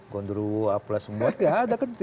gondro apulah semua ya ada kan